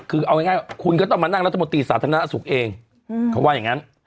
คือเอาง่ายคุณก็ต้องมานั่งรัฐมนตรีสาธารณสุขเองเขาว่าอย่างนั้น